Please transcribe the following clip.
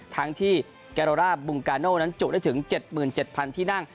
ทั้งที่แกโรร่าบุงกาโน่นั้นจุได้ถึง๗๗๐๐ที่นั่ง